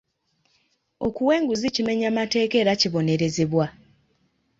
Okuwa enguzi kimenya mateeka era kibonerezebwa.